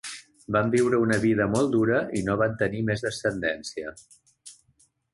Van viure una vida molt dura i no van tenir més descendència.